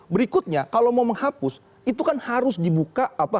berikutnya kalau mau menghapus itu kan harus dibuka